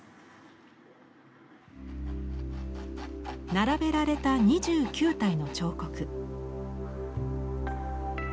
並べられた２９体の彫刻。